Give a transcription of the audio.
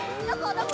どこ？